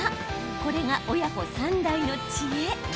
これが親子３代の知恵。